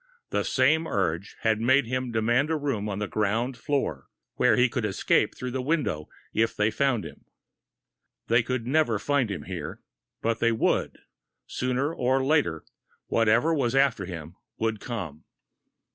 The same urge had made him demand a room on the ground floor, where he could escape through the window if they found him. They could never find him here but they would! Sooner or later, whatever was after him would come!